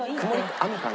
雨かな？